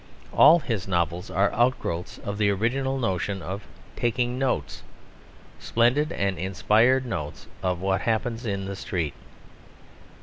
All his novels are outgrowths of the original notion of taking notes, splendid and inspired notes, of what happens in the street.